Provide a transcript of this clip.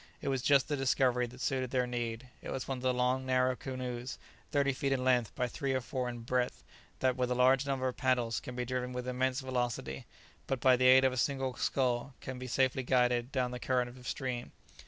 It was just the discovery that suited their need. It was one of the long, narrow canoes, thirty feet in length by three or four in breadth, that with a large number of paddles can be driven with immense velocity, but by the aid of a single scull can be safely guided down the current of a stream.